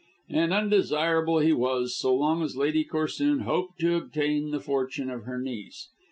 And undesirable he was, so long as Lady Corsoon hoped to obtain the fortune of her niece.